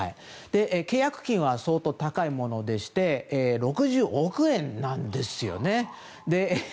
契約金は、相当高いものでして６０億円なんですよね。